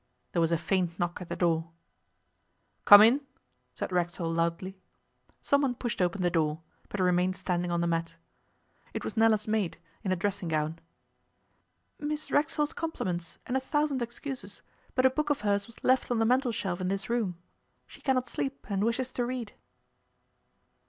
There was a faint knock at the door. 'Come in,' said Racksole loudly. Someone pushed open the door, but remained standing on the mat. It was Nella's maid, in a dressing gown. 'Miss Racksole's compliments, and a thousand excuses, but a book of hers was left on the mantelshelf in this room. She cannot sleep, and wishes to read.